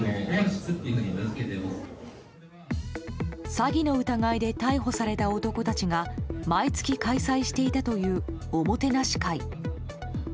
詐欺の疑いで逮捕された男たちが毎月開催していたというおもてなし会。